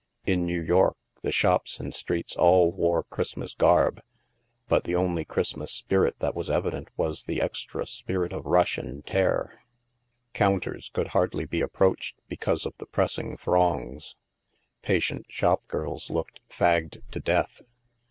In New York, the shops and streets all wore Christmas garb, but the only Christmas spirit that was evident was the extra spirit of rush and tear. Counters could hardly be approached, because of the pressing throngs. Patient shopgirls looked fagged to death.